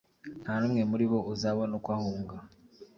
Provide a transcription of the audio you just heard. Nta n’umwe muri bo uzabona uko ahunga